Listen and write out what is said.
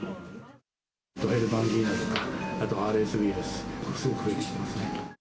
ヘルパンギーナとかＲＳウイルス、すごく増えてきてますね。